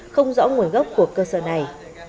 không rõ nguồn gốc của cơ sở này